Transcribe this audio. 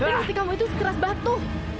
dengan istri kamu itu seceras batu